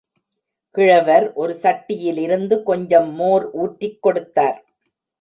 கிழவர் ஒரு சட்டியிலிருந்து கொஞ்சம் மோர் ஊற்றிக் கொடுத்தார்.